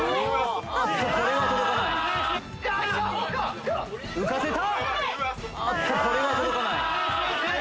あっとこれは届かない浮かせた！